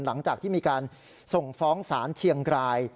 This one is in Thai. หลังจากที่มีการส่งฟ้องศาลเชียงราย